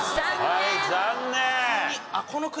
はい残念。